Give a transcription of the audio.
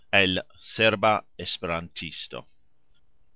El "Serba Esperantisto."